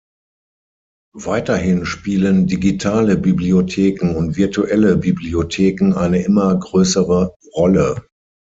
Weiterhin spielen Digitale Bibliotheken und Virtuelle Bibliotheken eine immer größere Rolle.